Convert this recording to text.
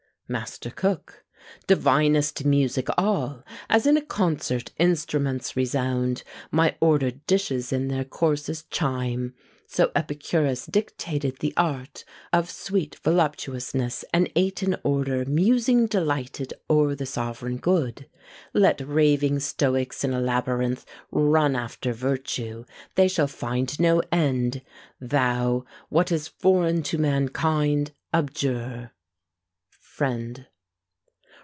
MASTER COOK. Divinest music all! As in a concert instruments resound, My ordered dishes in their courses chime. So Epicurus dictated the art Of sweet voluptuousness, and ate in order, Musing delighted o'er the sovereign good! Let raving Stoics in a labyrinth Run after virtue; they shall find no end. Thou, what is foreign to mankind, abjure. FRIEND.